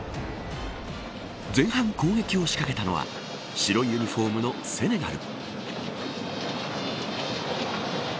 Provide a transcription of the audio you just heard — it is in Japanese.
前半、攻撃を仕掛けたのは白いユニホームのセネガル。